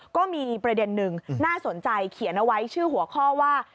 ก็มีอีกประเด็นนึงน่าสนใจเขียนเอาไว้ชื่อหัวข้อว่า